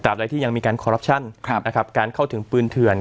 อะไรที่ยังมีการคอรัปชั่นนะครับการเข้าถึงปืนเถื่อน